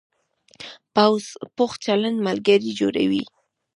پوخ چلند ملګري جوړوي